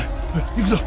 行くぞ。